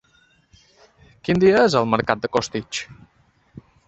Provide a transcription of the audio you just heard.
Quin dia és el mercat de Costitx?